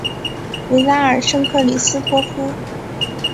维拉尔圣克里斯托夫。